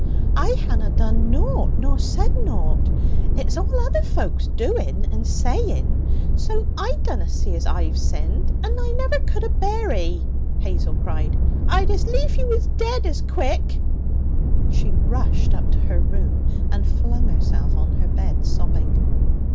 'I hanna done nought nor said nought; it's all other folk's doing and saying, so I dunna see as I've sinned. And I never could abear 'ee,' Hazel cried; 'I'd as lief you was dead as quick!' She rushed up to her room and flung herself on her bed sobbing.